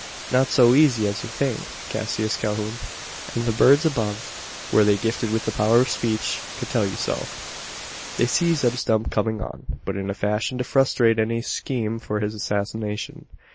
Not so easy as you think, Cassius Calhoun; and the birds above were they gifted with the power of speech could tell you so. They see Zeb Stump coming on; but in a fashion to frustrate any scheme for his assassination.